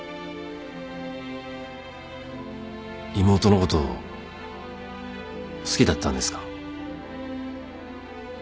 妹のこと好きだったんですか？